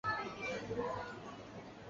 克鲁奇菲氏花粉发现在德国萨克森。